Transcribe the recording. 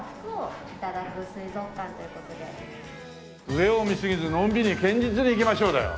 「上を見過ぎずのんびり堅実にいきましょう」だよ。